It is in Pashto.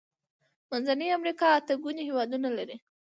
منځنۍ امريکا اته ګونې هيوادونه لري.